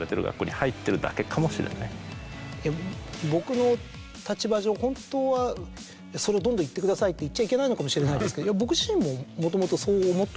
僕の立場上本当はそれをどんどん言ってくださいって言っちゃいけないのかもしれないですけどもともと。